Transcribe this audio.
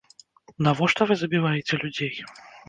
Навошта вы забіваеце людзей?